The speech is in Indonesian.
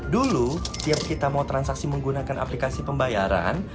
dulu tiap kita mau transaksi menggunakan aplikasi pembayaran